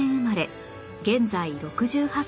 現在６８歳